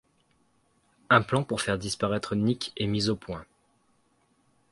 Un plan pour faire disparaître Nick est mis au point.